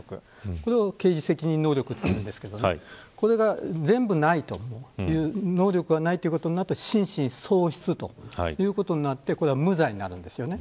これを刑事責任能力と言うんですがこれが全部ない能力がないということになると心神喪失ということになって無罪になるんです。